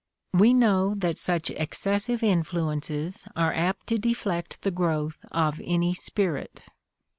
"We know that such excessive influences are apt to deflect the growth of any spirit.